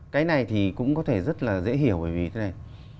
cái này thì cũng có thể rất là dễ hiểu bởi vì thế này